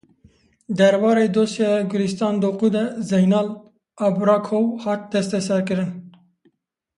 Derbarê dosyaya Gulîstan Doku de Zeynal Abrakov hat desteserkirin.